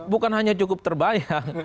bukan hanya cukup terbayang